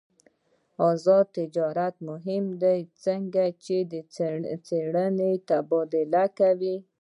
آزاد تجارت مهم دی ځکه چې څېړنې تبادله کوي.